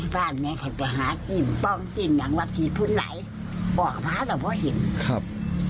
บอกพ่อเอาใจลูกไส้นี่ตกไกลรูปะครับ